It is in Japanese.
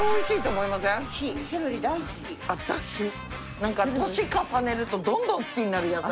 なんか年重ねるとどんどん好きになる野菜。